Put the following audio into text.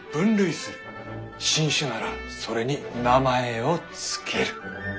新種ならそれに名前を付ける。